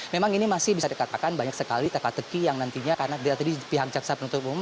memang ini masih bisa dikatakan banyak sekali teka teki yang nantinya karena tadi pihak jaksa penuntut umum